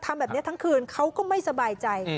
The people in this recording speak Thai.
ทำแบบนี้ทั้งคืนเขาก็ไม่สบายใจ